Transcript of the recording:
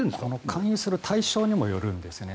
勧誘する対象にもよるんですね。